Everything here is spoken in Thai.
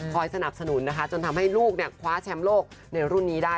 สนับสนุนนะคะจนทำให้ลูกคว้าแชมป์โลกในรุ่นนี้ได้